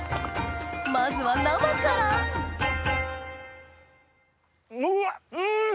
まずは生からうわっうん！